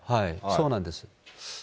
そうなんです。